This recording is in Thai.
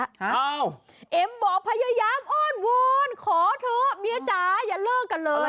เอ้าเอ็มบอกพยายามอ้อนวอนขอเถอะเมียจ๋าอย่าเลิกกันเลย